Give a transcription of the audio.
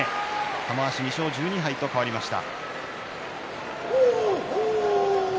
玉鷲２勝１２敗と変わりました。